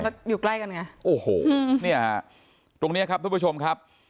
มาอยู่ที่บ้านแล้วจะยังไงอยู่ใกล้กันไงโอ้โหเนี่ยตรงนี้ครับทุกผู้ชมครับ